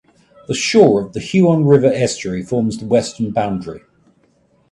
The shore of the Huon River estuary forms the western boundary.